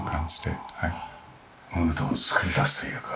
ムードを作り出すというか。